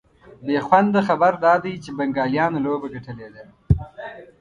بېخونده خبر دا دی چي بنګالیانو لوبه ګټلې ده